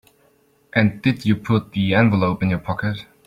And did you put the envelope in your pocket?